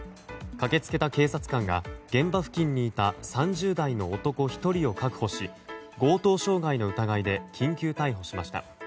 駆けつけた警察官が現場付近にいた３０代の男１人を確保し強盗傷害の疑いで緊急逮捕しました。